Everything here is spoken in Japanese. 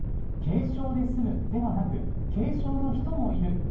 軽症で済むではなく軽症の人もいる。